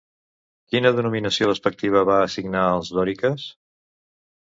Quina denominació despectiva va assignar als dòriques?